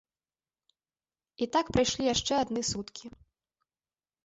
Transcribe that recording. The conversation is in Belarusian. І так прайшлі яшчэ адны суткі.